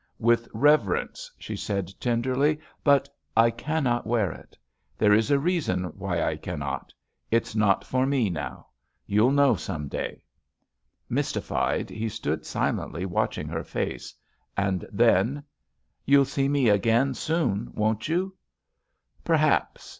With reverence," she said tenderly, "but I cannot wear it. There is a reason why I can not. It's not for me now. You'll know some day." Mystified, he stood silently watching her face. And then : "You'll see me again soon, won't you?" "Perhaps.